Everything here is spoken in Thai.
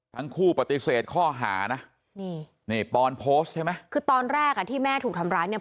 ทั้งคู่ปฏิเสธข้อหานะนี่นี่ปอนโพสต์ใช่ไหมคือตอนแรกอ่ะที่แม่ถูกทำร้ายเนี่ย